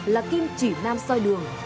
là kim chỉ nam soi đường